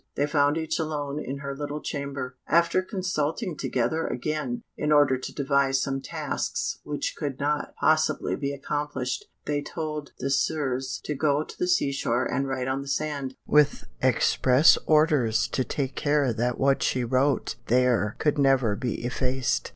They found each alone in her little chamber. After consulting together again, in order to devise some tasks which could not possibly be accomplished, they told Désirs to go to the sea shore and write on the sand, with express orders to take care that what she wrote there could never be effaced.